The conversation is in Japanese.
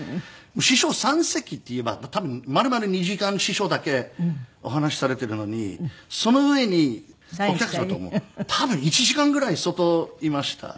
師匠３席っていえば多分丸々２時間師匠だけお話しされているのにその上にお客様とも多分１時間ぐらい外いました。